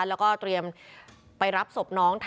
แล้วก็เตรียมไปรับศพน้อง